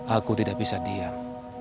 aku tidak bisa diam